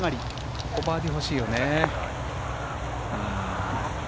ここバーディー欲しいよね。